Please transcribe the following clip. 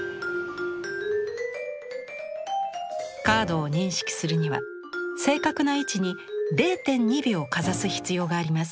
カードを認識するには正確な位置に０．２秒かざす必要があります。